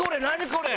これ！